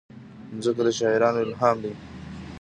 مځکه د شاعرانو الهام ده.